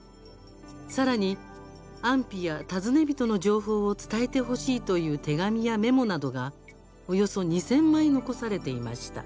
さらに、安否や尋ね人の情報を伝えてほしいという手紙やメモなどが、およそ２０００枚残されていました。